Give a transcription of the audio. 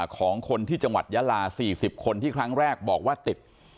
ของคนที่จังหวัดยาลา๔๐คนที่ครั้งแรกบอกว่าติด